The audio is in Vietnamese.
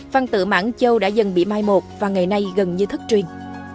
văn tự mãng châu đã dần bị mai một và ngày nay gần như thất truyền